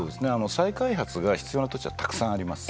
再開発が必要な土地はたくさんあります。